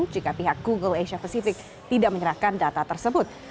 jika pihak google asia pacific tidak menyerahkan data tersebut